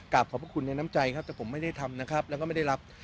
ขอบพระคุณในน้ำใจครับแต่ผมไม่ได้ทำนะครับแล้วก็ไม่ได้รับ